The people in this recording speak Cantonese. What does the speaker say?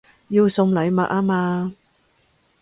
要送禮物吖嘛